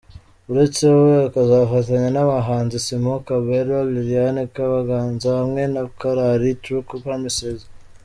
Uretse we akazafatanya n’abahanzi Simon Kabera, Liliane Kabaganza hamwe na Korali True Promises.